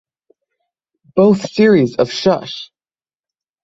Both series of Shush!